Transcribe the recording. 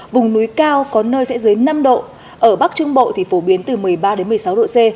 vùng núi cao có nơi sẽ dưới năm độ ở bắc trung bộ thì phổ biến từ một mươi ba đến một mươi sáu độ c